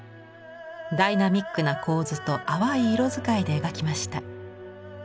ダイナミックな構図と淡い色使いで描きました。